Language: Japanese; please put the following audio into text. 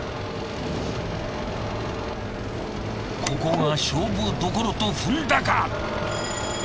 ここが勝負どころと踏んだか